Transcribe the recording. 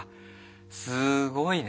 すごいね。